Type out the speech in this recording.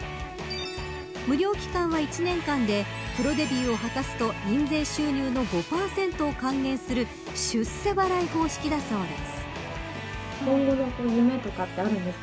無料期間は１年間でプロデビューを果たすと印税収入の５％を還元する出世払い方式だそうです。